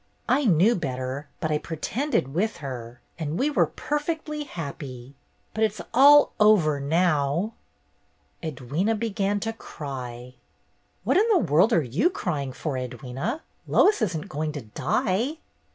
I knew better, but I pretended with her, and we were perfectly happy. But it's all over now!" Edwyna began to cry. "What in the world are you crying for, Edwyna? Lois isn't going to die!"